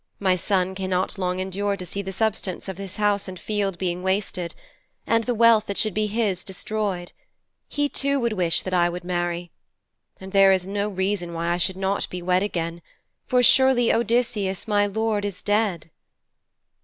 My son cannot long endure to see the substance of his house and field being wasted, and the wealth that should be his destroyed. He too would wish that I should marry. And there is no reason why I should not be wed again, for surely Odysseus, my lord, is dead.'